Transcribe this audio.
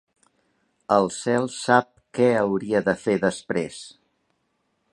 El cel sap què hauria de fer després.